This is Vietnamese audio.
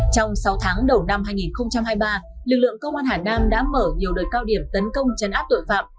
trong sáu tháng đầu năm hai nghìn hai mươi ba lực lượng công an hà nam đã mở nhiều đợt cao điểm tấn công chấn áp tội phạm